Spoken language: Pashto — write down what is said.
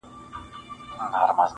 نه پاچا نه حکمران سلطان به نسې,